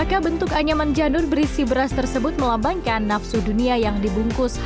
karena vukics itu benar dua juta para bolsonaro yang mengukir dan kudock kutox